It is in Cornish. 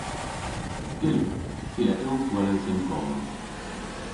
Gyllydh. Ty a yll gweles an golow.